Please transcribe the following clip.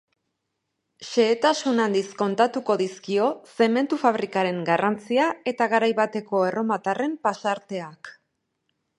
Xehetasun handiz kontatuko dizkio zementu fabrikaren garrantzia eta garai bateko erromatarren pasarteak.